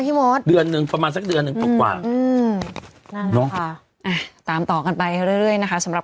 เกินแล้วไหมพี่มศ